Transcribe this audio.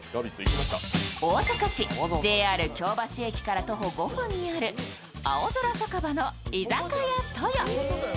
大阪市ＪＲ京橋駅から徒歩５分にある青空酒場の居酒屋とよ。